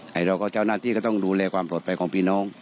เราก็เจ้าหน้าที่ก็ต้องดูแลความปลอดภัยของพี่น้อง